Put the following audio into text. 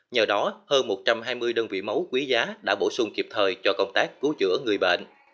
nhờ đó hơn một trăm hai mươi đơn vị máu quý giá đã bổ sung kịp thời cho công tác cứu chữa người bệnh